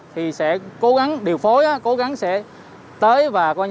thì sẽ cố gắng điều phối cố gắng sẽ tới